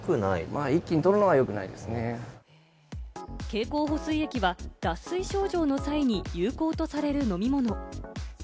経口補水液は脱水症状の際に有効とされる飲み物。